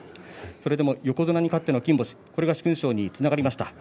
それでも横綱に勝っての金星それが殊勲賞につながりました。